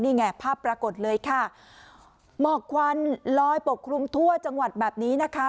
นี่ไงภาพปรากฏเลยค่ะหมอกควันลอยปกคลุมทั่วจังหวัดแบบนี้นะคะ